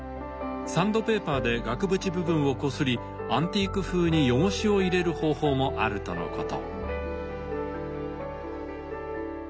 サンドペーパーで額縁部分をこすりアンティーク風に汚しを入れる方法もあるとのこと。